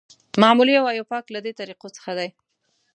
معمولي او ایوپاک له دې طریقو څخه دي.